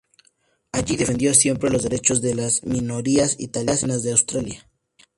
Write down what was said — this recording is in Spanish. Allí defendió siempre los derechos de las minorías italianas de Austria.